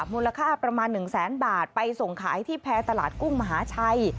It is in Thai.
มูลค่าประมาณ๑แสนบาทไปส่งขายที่แพร่ตลาดกุ้งมหาชัย